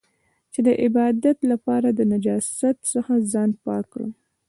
چې د عبادت لپاره له نجاست څخه ځان پاک کړم.